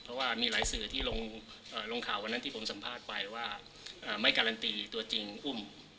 เพราะว่ามีหลายสื่อที่ลงข่าววันนั้นที่ผมสัมภาษณ์ไปว่าไม่การันตีตัวจริงอุ้ม